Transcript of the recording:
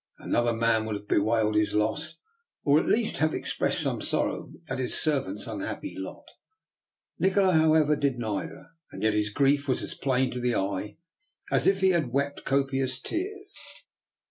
Another man would have be wailed his loss, or at least have expressed some sorrow at his servant's unhappy lot. Nikola, however, did neither, and yet his grief was as plain to the eye as if he had wept copi ous tears.